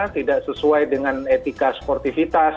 tidak sesuai dengan etika sportivitas